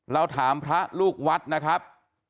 เราถามพระลูกวัดนะครับ